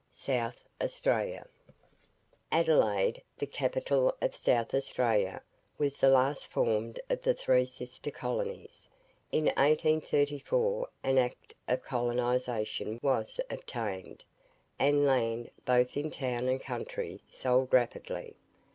SOUTH AUSTRALIA Adelaide, the capital of South Australia, was the last formed of the three sister colonies. In 1834 an act of colonization was obtained; and land, both in town and country, sold rapidly.